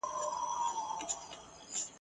بیا یې هم !.